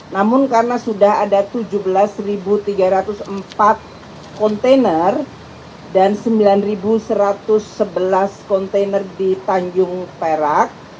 namun karena sudah ada tujuh belas tiga ratus empat kontainer dan sembilan satu ratus sebelas kontainer di tanjung perak